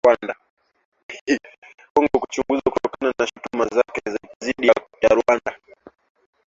Kongo kuchunguzwa kutokana na shutuma zake dhidi ya Rwanda